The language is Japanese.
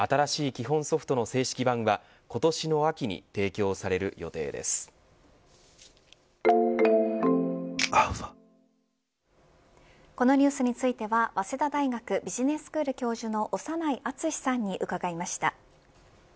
新しい基本ソフトの正式版はこのニュースについては早稲田大学ビジネススクール教授の長内厚さんに伺いました。